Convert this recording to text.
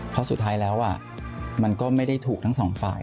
เพราะสุดท้ายแล้วมันก็ไม่ได้ถูกทั้งสองฝ่าย